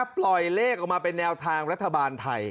ปล่อยเลขออกมาเป็นแนวทางรัฐบาลไทย